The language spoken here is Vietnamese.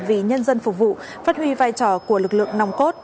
vì nhân dân phục vụ phát huy vai trò của lực lượng nòng cốt